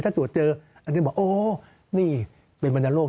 ถ้าตรวจเจออันนี้บอกอ๋อนี่เป็นบรรยาโรค